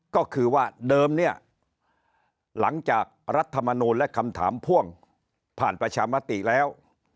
ก็คือว่าเดิมเนี่ยหลังจากรัฐมนูลและคำถามพ่วงผ่านประชามติแล้ว